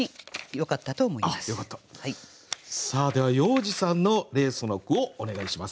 では要次さんの「レース」の句をお願いします。